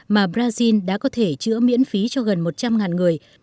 mà brazil đã có thể chữa miễn phí cho gần một trăm linh người